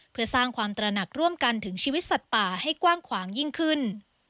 เพื่อสร้างความตระหนักร่วมกันถึงชีวิตสัตว์ป่าให้กว้างขวางยิ่งขึ้น